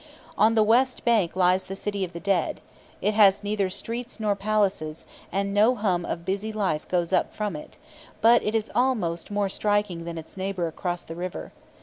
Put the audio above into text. On the west bank lies the city of the dead. It has neither streets nor palaces, and no hum of busy life goes up from it; but it is almost more striking than its neighbour across the river.